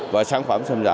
và sản phẩm xâm giả